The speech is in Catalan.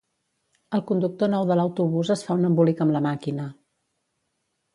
El conductor nou de l'autobús es fa un embolic amb la màquina